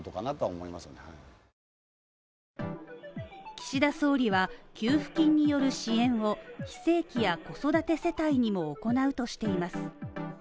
岸田総理は、給付金による支援を非正規や子育て世帯にも行うとしています。